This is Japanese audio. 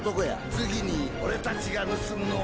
次に俺たちが盗むのは。